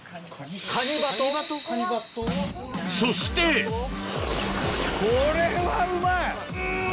そしてこれはうまい！